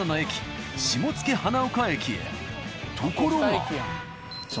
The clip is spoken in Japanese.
ところが。